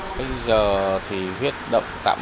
bây giờ thì huyết động tạm ổn